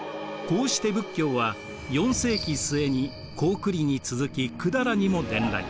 こうして仏教は４世紀末に高句麗に続き百済にも伝来。